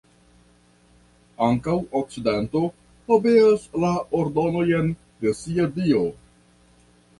Ankaŭ okcidento obeas la ordonojn de sia dio.